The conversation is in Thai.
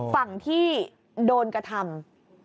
ฝั่งที่โดนกระทำ